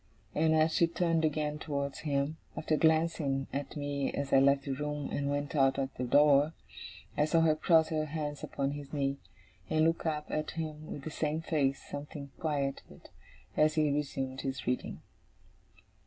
And, as she turned again towards him, after glancing at me as I left the room and went out at the door, I saw her cross her hands upon his knee, and look up at him with the same face, something quieted, as he resumed his reading.